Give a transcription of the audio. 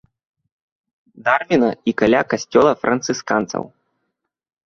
Дарвіна і каля касцёла францысканцаў.